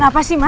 kenapa sih mas